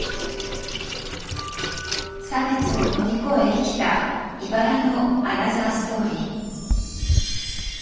差別を乗り越え生きたいばらのアナザーストーリー。